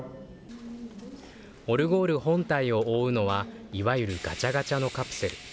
オルゴール本体を覆うのは、いわゆるガチャガチャのカプセル。